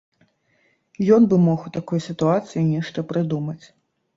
Ён бы мог у такой сітуацыі нешта прыдумаць.